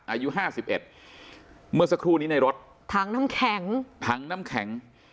อายุห้าสิบเอ็ดเมื่อสักครู่นี้ในรถถังน้ำแข็งถังน้ำแข็ง